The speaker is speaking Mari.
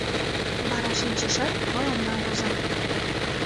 Вара шинчешат, мыланна воза: